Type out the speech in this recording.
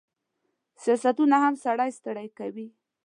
سیاستونه هم سړی ستړی کوي.